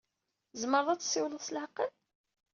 Tzemreḍ ad tessiwleḍ s leɛqel?